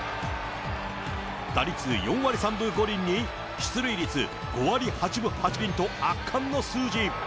打率４割３分５厘に、出塁率５割８分８厘と圧巻の数字。